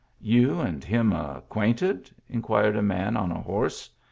"You and him acquainted?" inquired a man on a horse.